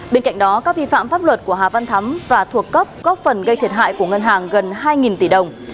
bên cạnh đó các vi phạm pháp luật của hà văn thắm và thuộc cấp góp phần gây thiệt hại của ngân hàng gần hai tỷ đồng